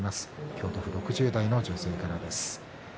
京都府５０代の女性からです。